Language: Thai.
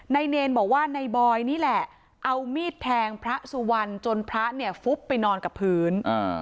เนรบอกว่านายบอยนี่แหละเอามีดแทงพระสุวรรณจนพระเนี่ยฟุบไปนอนกับพื้น